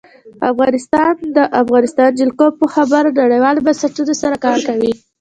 افغانستان د د افغانستان جلکو په برخه کې نړیوالو بنسټونو سره کار کوي.